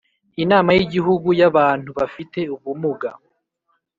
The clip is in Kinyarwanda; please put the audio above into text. inama y Igihugu y Abantu bafite ubumuga